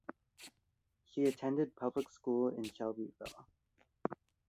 She attended public school in Shelbyville.